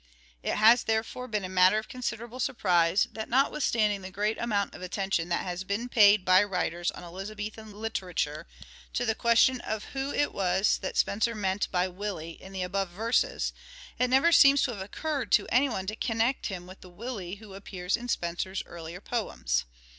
It has therefore been a matter of consideraole surprise that notwithstanding the great amount of attention that has been paid by writers on Elizabethan literature to the question of who it was that Spenser meant by " Willie " in the above verses, it never seems to have occurred to any one to connect him with the " Willie " who appears in Spenser's earlier poems.